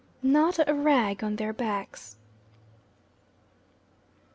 NOT A RAG ON THEIR BACKS.